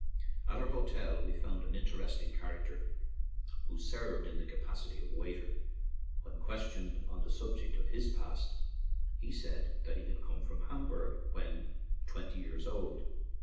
At our hotel we found an interesting character who served in the capacity of waiter. When questioned on the sub ject of his past life, he said that he had come from Hamburg when twenty years old.